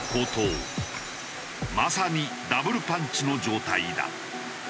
まさにダブルパンチの状態だ。